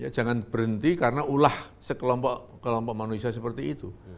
jangan berhenti karena ulah sekelompok kelompok manusia seperti itu